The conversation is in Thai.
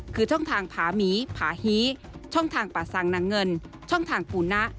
คือช่องทางผาหมีผาฮีช่องทางป่าสังนางเงินช่องทางปูนะ